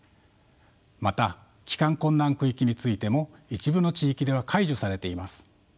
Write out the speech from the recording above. また帰還困難区域についても一部の地域では解除されています。